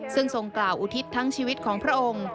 ซึ่งทรงกล่าวอุทิศทั้งชีวิตของพระองค์